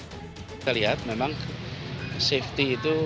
kita lihat memang safety itu